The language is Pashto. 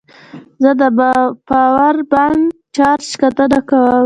زه د پاور بانک چارج کتنه کوم.